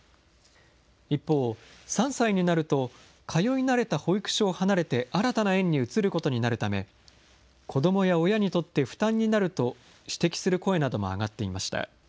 一方、３歳になると通い慣れた保育所を離れて新たな園に移ることになるため、子どもや親にとって負担になると指摘する声なども上がっていました。